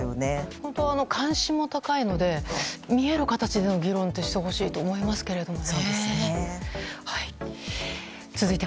本当に関心も高いので見える形での議論をしてほしいと思いますけれどもね。